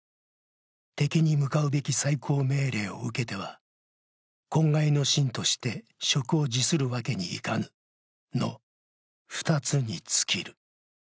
敵に向かうべき最高命令を受けてはこんがいの臣として職を辞するわけにはいかぬの二つに尽きる。